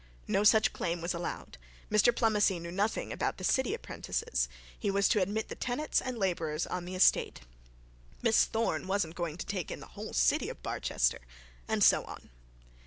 No such claim was allowed. Mr Plomacy knew nothing about the city apprentices; he was to admit the tenants and labourers on the estate; Miss Thorne wasn't going to take in the whole city of Barchester; and so on.